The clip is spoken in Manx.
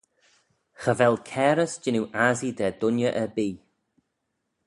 Cha vel cairys jannoo assee da dhoinney erbee.